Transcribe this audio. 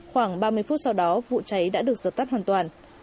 khoảng ba mươi phút sau đó vụ cháy đã được dập tắt hoàn toàn